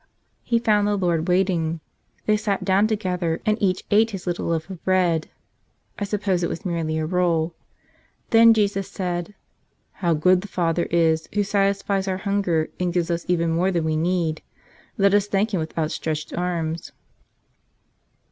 He found the Lord waiting. They sat do wn together and each ate his little loaf of bread. (I suppose it was merely a roll.) Then Jesus said: "How good the Father is, Who satisfies our hunger and gives us even more than we need! Let us thank Him with out¬ stretched arms."